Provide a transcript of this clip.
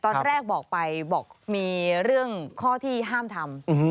ตอนแรกบอกไปบอกมีเรื่องข้อที่ห้ามทำ